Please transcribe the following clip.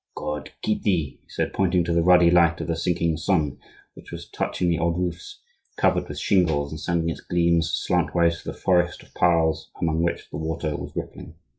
"God keep thee!" he said, pointing to the ruddy light of the sinking sun, which was touching the old roofs covered with shingles and sending its gleams slantwise through the forest of piles among which the water was rippling.